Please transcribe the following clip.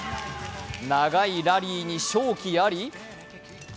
長いラリーに勝機あり？